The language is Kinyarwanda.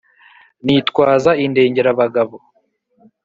nitwaza indengerabagabo.